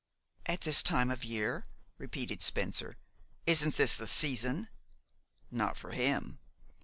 "At this time of the year," repeated Spencer. "Isn't this the season?" "Not for him.